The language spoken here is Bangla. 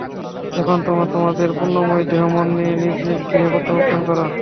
এখন তোমরা তোমাদের পুণ্যময় দেহ-মন নিয়ে নিজ নিজ গৃহে প্রত্যাবর্তন কর।